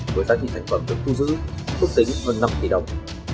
với giá trị thành phẩm được thu giữ ước tính hơn năm tỷ đồng